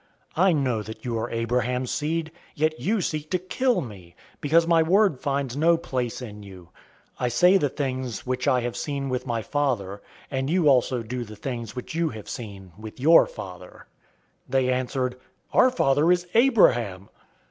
008:037 I know that you are Abraham's seed, yet you seek to kill me, because my word finds no place in you. 008:038 I say the things which I have seen with my Father; and you also do the things which you have seen with your father." 008:039 They answered him, "Our father is Abraham."